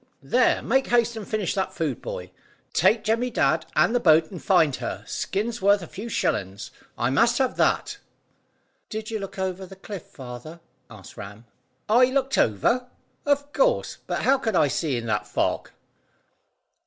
"There, make haste and finish that food, boy. Take Jemmy Dadd and the boat and find her. Skin's worth a few shillings. I must have that." "Did you look over the cliff, father?" asked Ram. "I looked over? Of course, but how could I see in that fog?"